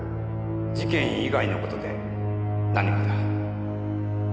事件以外の事で何かだ。